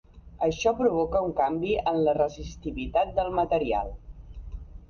Això provoca un canvi en la resistivitat del material.